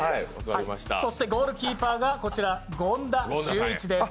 ゴールキーパーが権田修一です。